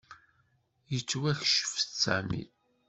Yettwakcef-d Sami.